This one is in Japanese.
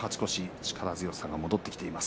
力強さが戻ってきています。